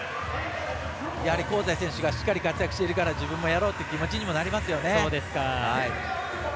香西選手がしっかり活躍しているから自分もやろうっていう気持ちにもなりますよね。